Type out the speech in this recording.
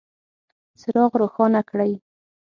څراغ روښانه کړئ